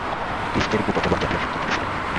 Chris Jericho প্রথমবার চ্যাম্পিয়নশিপটি জিতেছিলেন।